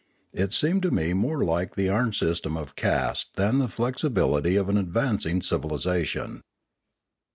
It seemed to me more like the iron system of caste than the flexibility of an ad vancing civilisation.